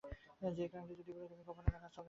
সেই কারণটি যদি বলি, তবে গোপনে রাখা আর চলে না।